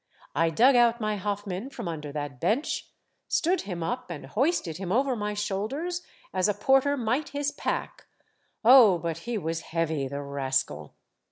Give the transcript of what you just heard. I dug out my Hoffman from under that bench, stood him up, and hoisted him over my shoulders as a porter might his pack. Oh ! but he was heavy, the rascal